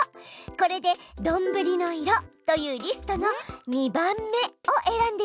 これで「どんぶりの色」というリストの２番目をえらんでいるの。